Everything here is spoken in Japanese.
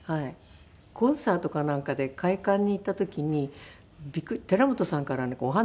コンサートかなんかで会館に行った時に寺本さんからお花頂いて。